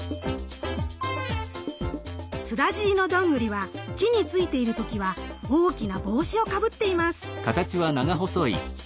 スダジイのどんぐりは木についている時は大きな帽子をかぶっています。